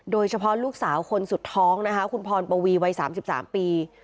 โดยเฉพาะลูกสาวคนสุดท้องนะคะคุณพรปวีวัย๓๓ปี